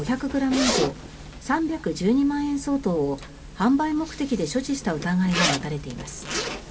以上３１２万円相当を販売目的で所持した疑いが持たれています。